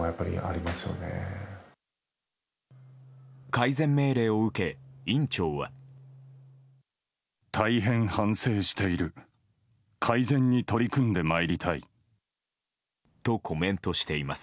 改善命令を受け、院長は。とコメントしています。